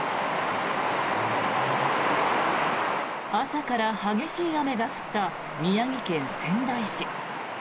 朝から激しい雨が降った宮城県仙台市。